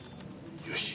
よし。